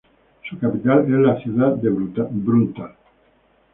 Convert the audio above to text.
Su capital es la ciudad de Bruntál.